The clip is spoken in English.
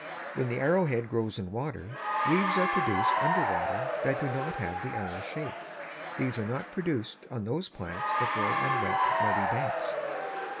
When the Arrow Head grows in water leaves are produced under water that do not have the arrow shape. These are not produced on those plants that grow on wet, muddy banks.